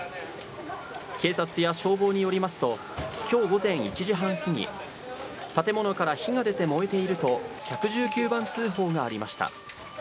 警察や消防によりますと、きょう午前１時半過ぎ、建物から火が出て燃えていると、１１９番通報がありました。